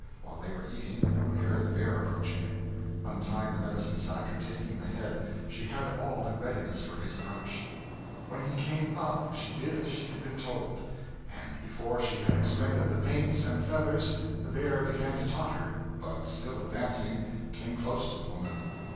While they were eating, they heard the bear approaching. Untying the medicine sack and taking the head, she had all in readiness for his approach. When he came up she did as she had been told; and, before she had expended the paints and feathers, the bear began to totter, but, still advancing, came close to the woman.